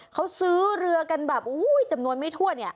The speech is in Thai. เค้าซื้อเรือกันจำนวนไม่ทั่ว